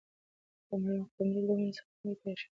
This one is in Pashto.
قمري له ونې څخه ځمکې ته راښکته شوه.